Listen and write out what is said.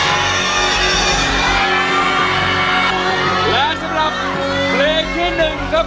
สำหรับเพลงที่หนึ่งครับ